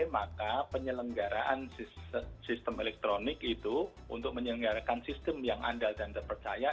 maka penyelenggaraan sistem elektronik itu untuk menyelenggarakan sistem yang andal dan terpercaya